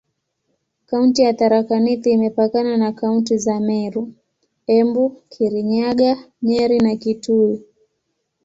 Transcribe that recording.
Kaunti ya Tharaka Nithi imepakana na kaunti za Meru, Embu, Kirinyaga, Nyeri na Kitui.